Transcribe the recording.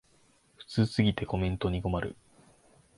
普通すぎてコメントに困る